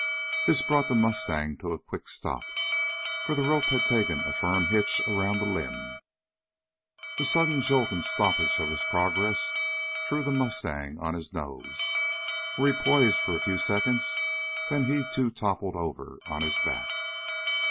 This brought the mustang to a quick stop, for the rope had taken a firm hitch around the limb. The sudden jolt and stoppage of his progress threw the mustang on his nose, where he poised for a few seconds, then he too toppled over on his back.